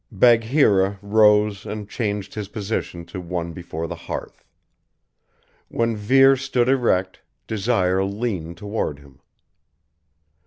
Bagheera rose and changed his position to one before the hearth. When Vere stood erect, Desire leaned toward him.